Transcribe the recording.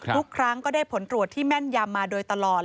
ทุกครั้งก็ได้ผลตรวจที่แม่นยำมาโดยตลอด